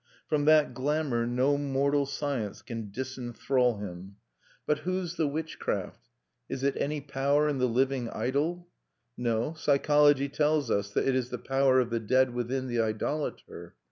From that glamour no mortal science can disenthrall him. But whose the witchcraft? Is it any power in the living idol? No, psychology tells us that it is the power of the dead within the idolater.